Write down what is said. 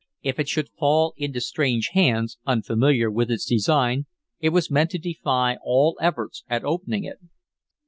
If it should fall into strange hands, unfamiliar with its design, it was meant to defy all efforts at opening it.